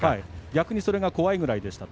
逆にそれが怖いぐらいでしたと。